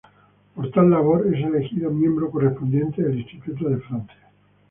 Por tal labor, es elegido miembro correspondiente del Instituto de Francia.